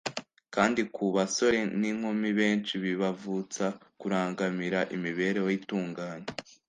kandi ku basore n’inkumi benshi bibavutsa kurangamira imibereho itunganye.